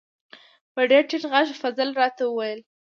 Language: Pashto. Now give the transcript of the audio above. په ډیر ټیټ غږ فضل را ته و ویل: